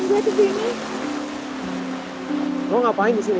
kamu ngapain di sini